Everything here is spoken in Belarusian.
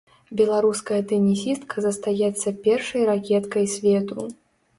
Беларуская тэнісістка застаецца першай ракеткай свету.